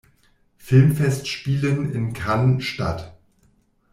Filmfestspielen in Cannes statt.